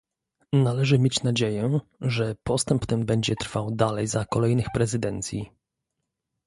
Należy mieć nadzieję, że postęp ten będzie trwał dalej za kolejnych prezydencji